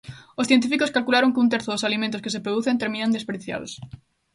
Os científicos calcularon que un terzo dos alimentos que se producen terminan desperdiciados.